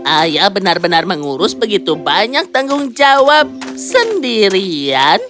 ayah benar benar mengurus begitu banyak tanggung jawab sendirian